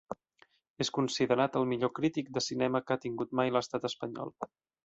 És considerat el millor crític de cinema que ha tingut mai l'Estat espanyol.